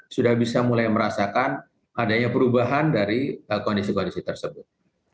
sudah bisa mulai merasakan adanya perubahan dari kondisi kondisi tersebut